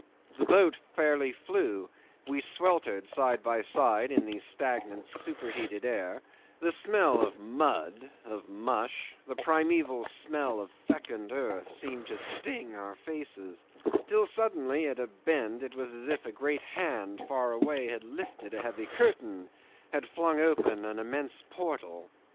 The boat fairly flew; we sweltered side by side in the stagnant superheated air; the smell of mud, of mush, the primeval smell of fecund earth, seemed to sting our faces; till suddenly at a bend it was as if a great hand far away had lifted a heavy curtain, had flung open an immense portal.